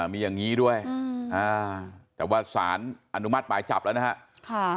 มีอย่างนี้ด้วยแต่ว่าสารอนุมัติหมายจับแล้วนะฮะ